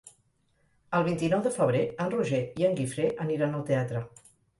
El vint-i-nou de febrer en Roger i en Guifré aniran al teatre.